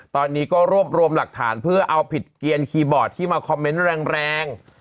ตอนนี้ก็รวบรวมหลักฐานเพื่อเอาผิดเกียรคีย์บอร์ดที่มาคอมเมนต์แรง